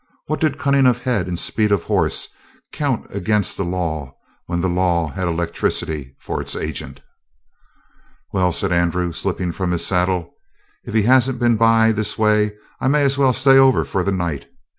What did cunning of head and speed of horse count against the law when the law had electricity for its agent? "Well," said Andrew, slipping from his saddle, "if he hasn't been by this way I may as well stay over for the night.